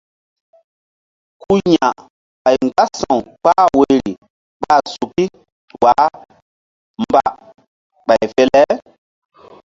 Ku ya̧ ɓay mgbása̧w kpah woyri ɓa suki wah mba ɓay fe le.